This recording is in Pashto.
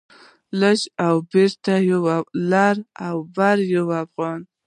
لر او بر یو افغان